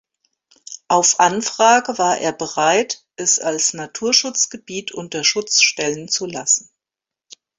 Auf Anfrage war er bereit, es als Naturschutzgebiet unter Schutz stellen zu lassen.